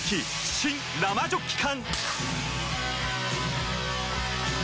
新・生ジョッキ缶！